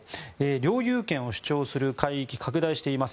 領有権を主張する海域を拡大していきます。